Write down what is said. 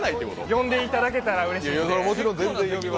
呼んでいただけたらうれしいので。